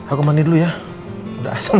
aku mandi dulu ya udah